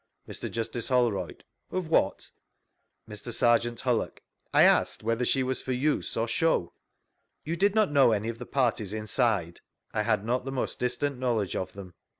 Mr. Justice Holrovd: Of what?— Mr. Serjeant Hullock: I aslced whether she was for use or show. You did not know any of the parties inside?— I had not the most distant knowledge of them.